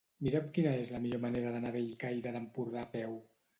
Mira'm quina és la millor manera d'anar a Bellcaire d'Empordà a peu.